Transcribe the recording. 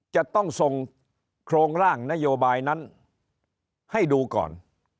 จะต้องส่งโครงร่างนโยบายนั้นให้ดูก่อน